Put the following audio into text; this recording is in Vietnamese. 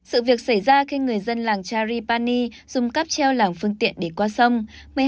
sự việc xảy ra khi người dân làng charipani dùng cắp treo làng phương tiện để qua sông